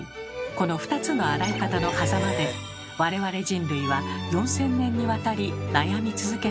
この２つの洗い方のはざまで我々人類は４，０００年にわたり悩み続けてきたのです。